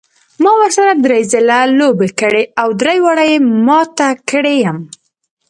ما ورسره درې ځلې لوبه کړې او درې واړه یې مات کړی یم.